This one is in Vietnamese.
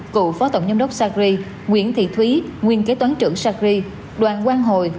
cựu phó tổng giám đốc sacri nguyễn thị thúy nguyên kế toán trưởng sacri đoàn quang hồi